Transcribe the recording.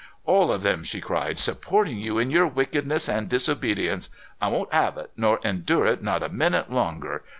"All of them," she cried, "supporting you in your wickedness and disobedience. I won't 'ave it nor endure it not a minute longer.